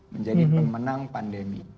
menjadi pemenang pandemi